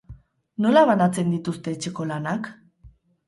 Nola banatzen dituzte etxeko lanak?